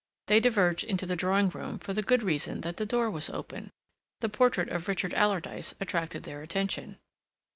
They diverged into the drawing room for the good reason that the door was open. The portrait of Richard Alardyce attracted their attention.